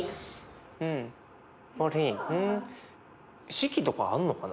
四季とかあんのかな？